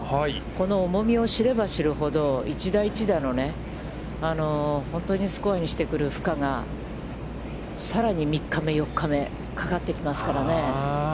この重みを知れば知るほど、一打一打の本当にスコアにしてくる負荷が、さらに３日目、４日目かかってきますからね。